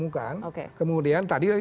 yang ditemukan kemudian tadi